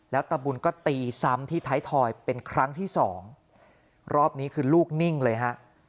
แล้วตะบุญก็ตีซ้ำที่ท้ายทอยเป็นครั้งที่สองรอบนี้คือลูกนิ่งเลยฮะ